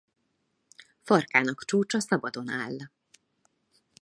Farkának csúcsa szabadon áll.